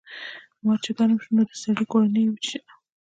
مار چې ګرم شو نو د سړي کورنۍ یې وچیچله.